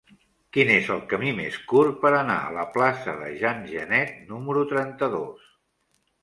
Quin és el camí més curt per anar a la plaça de Jean Genet número trenta-dos?